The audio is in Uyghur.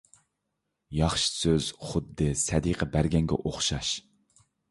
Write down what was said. ياخشى سۆز خۇددى سەدىقە بەرگەنگە ئوخشاش.